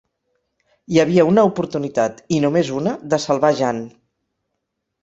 Hi havia una oportunitat, i només una, de salvar Jeanne.